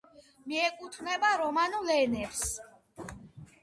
მიეკუთვნება რომანულ ენებს.